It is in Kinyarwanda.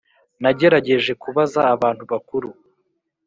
Nagerageje kubaza abantu bakuru